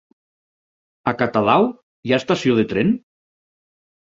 A Catadau hi ha estació de tren?